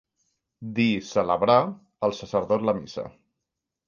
Dir, celebrar, el sacerdot la missa.